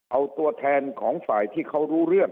เอาตัวแทนของฝ่ายที่เขารู้เรื่อง